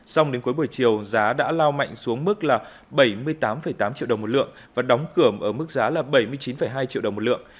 xong đến cuối buổi chiều giá đã lao mạnh xuống mức là bảy mươi tám tám triệu đồng một lượng và đóng cửa ở mức giá là bảy mươi chín hai triệu đồng một lượng